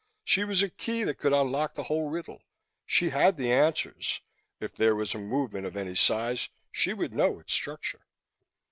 She was a key that could unlock the whole riddle. She had the answers if there was a movement of any size, she would know its structure.